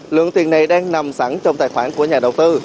lượng tiền này đang nằm sẵn trong tài khoản của nhà đầu tư